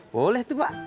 boleh tuh pak